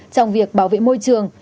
trong việc bảo vệ môi trường